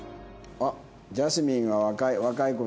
あっジャスミンが若い子と。